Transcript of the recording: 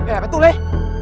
eh apa itu leh